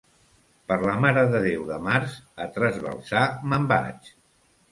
Per la Mare de Déu de març a trasbalsar me'n vaig.